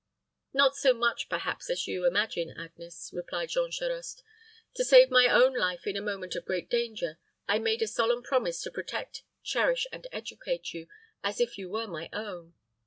"Not so much, perhaps, as you imagine, Agnes," replied Jean Charost. "To save my own life in a moment of great danger, I made a solemn promise to protect, cherish, and educate you, as if you were my own.